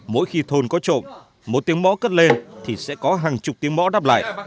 mỗi khi thôn có trộm một tiếng mõ cất lên thì sẽ có hàng chục tiếng mõ đắp lại